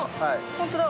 ホントだ。